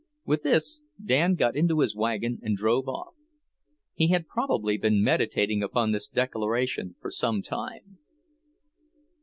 With this Dan got into his wagon and drove off. He had probably been meditating upon this declaration for some time.